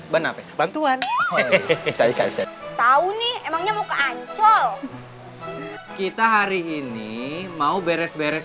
bantuan hehehe tahu nih emangnya mau keancol kita hari ini mau beres beres